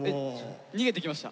逃げてきました。